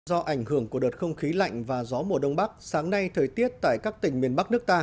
do ảnh hưởng của đợt không khí lạnh và gió mùa đông bắc sáng nay thời tiết tại các tỉnh miền bắc nước ta